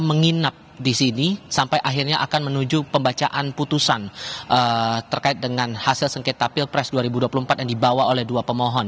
menginap di sini sampai akhirnya akan menuju pembacaan putusan terkait dengan hasil sengketa pilpres dua ribu dua puluh empat yang dibawa oleh dua pemohon